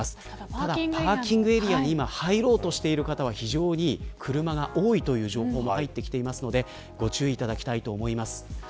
ただ、パーキングエリアに入ろうとしている方は非常に車が多いという状況も入ってきていますのでご注意いただきたいと思います。